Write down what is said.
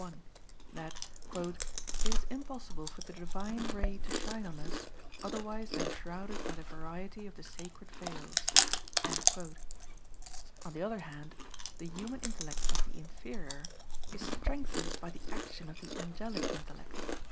i), that, "It is impossible for the divine ray to shine on us, otherwise than shrouded by the variety of the sacred veils." On the other hand, the human intellect as the inferior, is strengthened by the action of the angelic intellect.